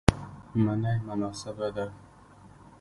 منی مناسبه ده